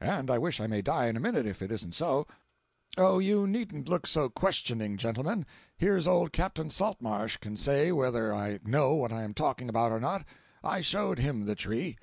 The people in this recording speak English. —and I wish I may die in a minute if it isn't so! Oh, you needn't look so questioning, gentlemen; here's old Cap Saltmarsh can say whether I know what I'm talking about or not. I showed him the tree."